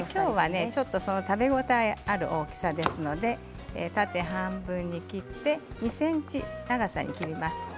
食べ応えがある大きさですので縦半分に切ってから２ｃｍの長さに切ります。